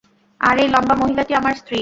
আর এই লম্বা মহিলাটি আমার স্ত্রী।